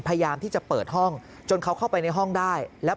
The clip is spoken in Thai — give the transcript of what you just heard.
พยายามที่จะเปิดห้องจนเขาเข้าไปในห้องได้แล้ว